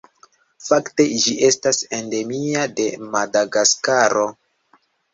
Fakte ĝi estas endemia de Madagaskaro.